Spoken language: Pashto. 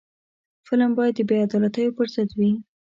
فلم باید د بې عدالتیو پر ضد وي